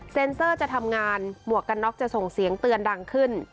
เซอร์จะทำงานหมวกกันน็อกจะส่งเสียงเตือนดังขึ้น